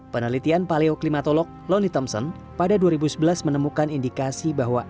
penelitian paleoklimatolog loni thompson pada dua ribu sebelas menemukan indikasi bahwa